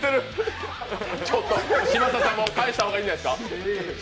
嶋佐さんも返した方がいいんじゃないですか。